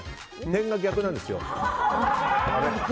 点が逆なんです。